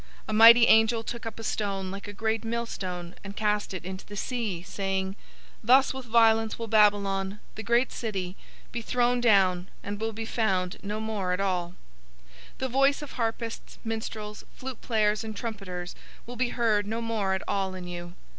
018:021 A mighty angel took up a stone like a great millstone and cast it into the sea, saying, "Thus with violence will Babylon, the great city, be thrown down, and will be found no more at all. 018:022 The voice of harpists, minstrels, flute players, and trumpeters will be heard no more at all in you.